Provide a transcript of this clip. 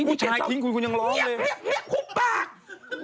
ผู้ชายคิงคุณคุณยังร้องเลย